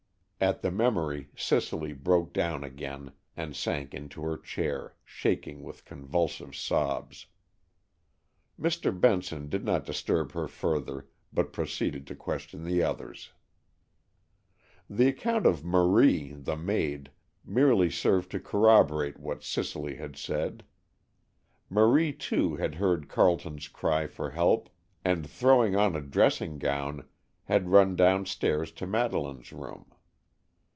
At the memory Cicely broke down again and sank into her chair, shaking with convulsive sobs. Mr. Benson did not disturb her further, but proceeded to question the others. The account of Marie, the maid, merely served to corroborate what Cicely had said. Marie, too, had heard Carleton's cry for help, and, throwing on a dressing gown, had run down stairs to Madeleine's room.